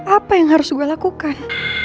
apa yang harus gue lakukan